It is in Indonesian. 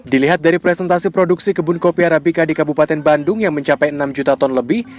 dilihat dari presentasi produksi kebun kopi arabica di kabupaten bandung yang mencapai enam juta ton lebih